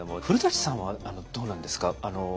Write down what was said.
古さんはどうなんですか？